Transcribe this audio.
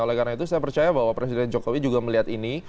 oleh karena itu saya percaya bahwa presiden jokowi juga melihat ini